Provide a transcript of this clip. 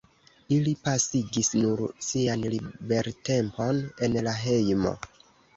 Ili pasigis nur sian libertempon en la hejmo.